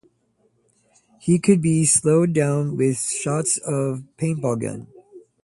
He could be slowed down with shots from a paintball gun.